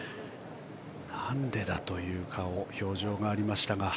なんでだという顔、表情がありましたが。